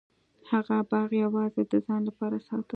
هغه باغ یوازې د ځان لپاره ساته.